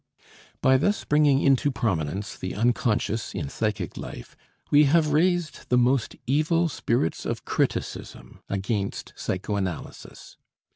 By thus bringing into prominence the unconscious in psychic life, we have raised the most evil spirits of criticism against psychoanalysis.